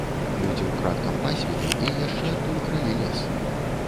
Людзі ўкрадкам пасвілі і яшчэ адтуль кралі лес.